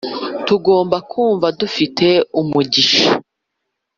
tugomba kumva dufite umugisha